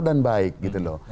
dan baik gitu loh